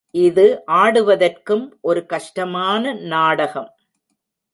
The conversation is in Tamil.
இது ஆடுவதற்கும் ஒரு கஷ்டமான நாடகம்.